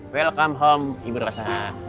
selamat pulang ibu rosa